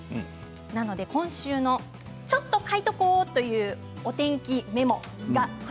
なので今週のちょっと書いておこうというお天気メモ